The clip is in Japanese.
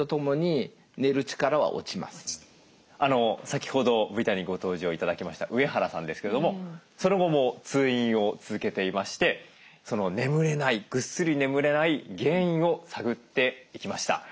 先ほどＶＴＲにご登場頂きました上原さんですけれどもその後も通院を続けていまして眠れないぐっすり眠れない原因を探っていきました。